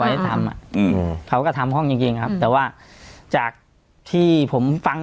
ให้ทำอ่ะอืมเขาก็ทำห้องจริงจริงครับแต่ว่าจากที่ผมฟัง